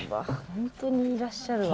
本当にいらっしゃるわ。